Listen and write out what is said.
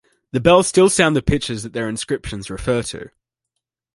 The bells still sound the pitches that their inscriptions refer to.